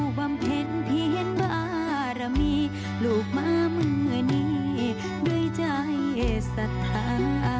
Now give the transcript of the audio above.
บำเพ็ญเพียนบารมีลูกมาเมื่อนี้ด้วยใจศรัทธา